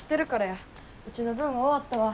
ウチの分は終わったわ。